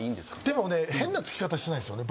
でもね変なつき方してないですよね。